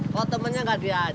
kok temennya gak diajak